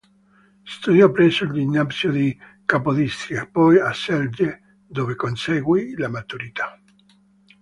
Studiò presso il ginnasio di Capodistria, poi a Celje, dove conseguì la maturità.